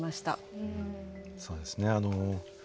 そうですね。